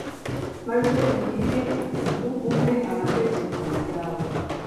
maze ungirire ubuntu umpe amategeko yawe